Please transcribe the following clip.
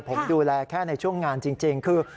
ผมดูแลแค่ในช่วงงานจริงคือ